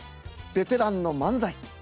ベテランの漫才